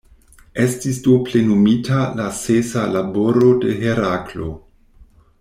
Estis do plenumita la sesa laboro de Heraklo.